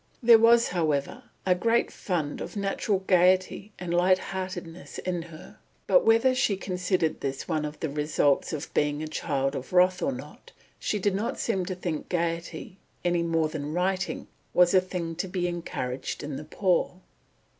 There was, however, a great fund of natural gaiety and light heartedness in her, but whether she considered this one of the results of being a child of wrath or not, she did not seem to think gaiety, any more than writing, was a thing to be encouraged in the poor.